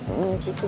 iya di situ